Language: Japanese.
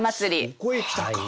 そこへ来たか！